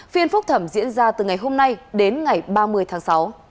phiên phúc thẩm diễn ra từ ngày hôm nay đến ngày ba mươi tháng sáu